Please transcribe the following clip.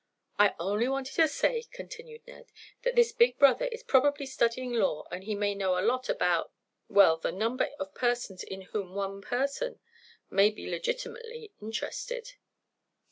"I only wanted to say," continued Ned, "that this big brother is probably studying law, and he may know a lot about—well, the number of persons in whom one person may be legitimately interested."